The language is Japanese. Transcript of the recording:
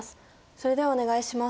それではお願いします。